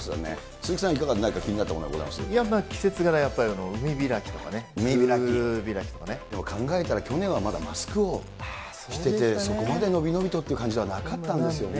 鈴木さん、いかが、季節柄、やっぱり海開きとかね、でも、考えたら、去年はマスクをしてて、そこまで伸び伸びとって感じではなかったですよね。